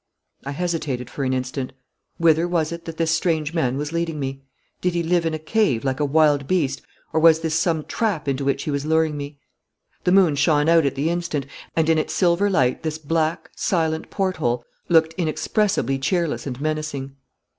I hesitated for an instant. Whither was it that this strange man was leading me? Did he live in a cave like a wild beast, or was this some trap into which he was luring me? The moon shone out at the instant, and in its silver light this black, silent porthole looked inexpressibly cheerless and menacing.